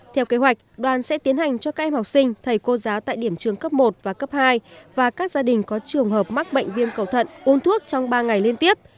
theo kế hoạch đoàn sẽ tiến hành cho các em học sinh thầy cô giáo tại điểm trường cấp một và cấp hai và các gia đình có trường hợp mắc bệnh viêm cầu thận uống thuốc trong ba ngày liên tiếp